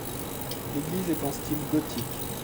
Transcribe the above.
L'église est en style gothique.